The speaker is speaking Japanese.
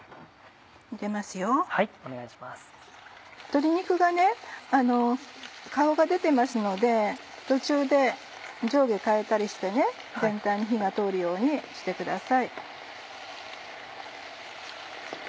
鶏肉が顔が出てますので途中で上下変えたりして全体に火が通るようにしてください。